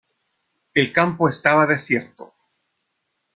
El campo estaba desierto.